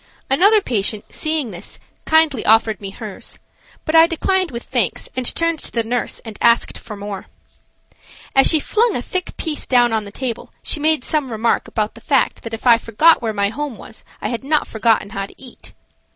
Another patient, seeing this, kindly offered me hers, but I declined with thanks and turned to the nurse and asked for more. As she flung a thick piece down on the table she made some remark about the fact that if I forgot where my home was I had not forgotten how to eat.